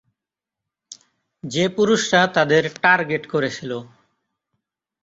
যে পুরুষরা তাদের টার্গেট করেছিল।